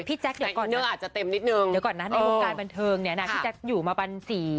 พี่แจ็คเดี๋ยวก่อนนะในโพการบันเทิงเนี่ยนะพี่แจ็คอยู่มาปัน๔๐